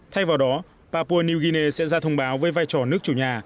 thay vào đó papua new guinea sẽ ra thông báo với vai trò nước chủ nhà